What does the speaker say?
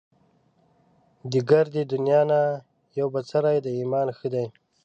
دې ګردې دنيا نه يو بڅری د ايمان ښه دی